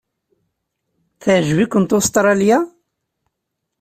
Teɛjeb-ikent Ustṛalya?